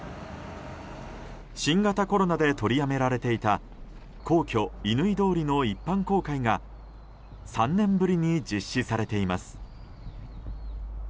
新型コロナで取りやめられていた皇居・乾通りの一般公開が３年ぶりに実施されています。